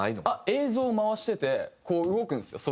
映像を回しててこう動くんですよ